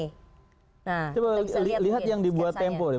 nah kita bisa lihat lihat yang dibuat tempo deh